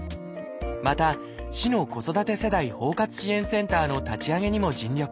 また市の子育て世代包括支援センターの立ち上げにも尽力。